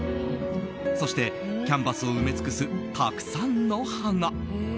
そして、キャンバスを埋め尽くすたくさんの花。